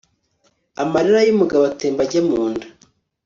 amarira y'umugabo atemba ajya mu nda